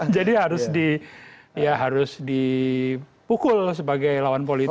jadi harus di ya harus dipukul sebagai lawan politik